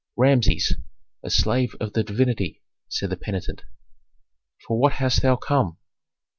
"Rameses, a slave of the divinity," said the penitent. "For what hast thou come?"